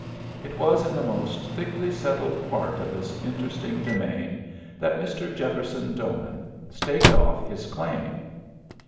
It was in the most thickly settled part of this interesting demesne that Mr. Jefferson Doman staked off his claim.